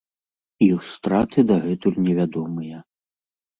Іх страты дагэтуль невядомыя.